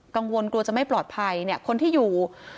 กังวลกลัวจะไม่ปลอดภัยคนที่อยู่